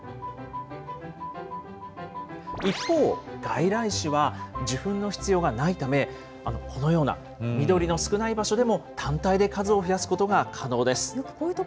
一方、外来種は受粉の必要がないため、このような緑の少ない場所でも、単体で数を増やすことが可能です。